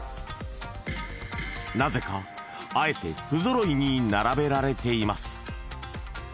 なぜかあえて不揃いに並べられています